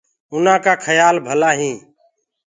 اُنآ ڪآ کيِآ ڀلآ هينٚ۔